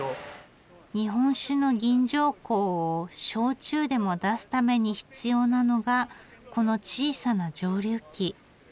日本酒の吟醸香を焼酎でも出すために必要なのがこの小さな蒸留機。